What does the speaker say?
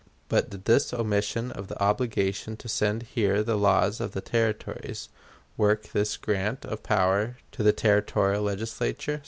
But did this omission of the obligation to send here the laws of the Territories work this grant of power to the Territorial Legislature?